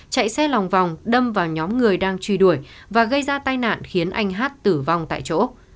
chạy xe lòng vòng đâm vào nhóm người đang truy đuổi và gây ra tai nạn khiến anh hát tử vong tại chỗ